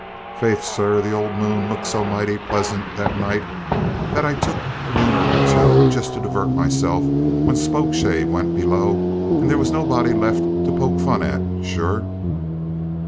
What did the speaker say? "Faith, sor, the ould moon looked so moighty plisint that night that I took a lunar or two, jist to divart mesilf with, when Spokeshave wint below and there was nobody lift to poke fun at, sure!"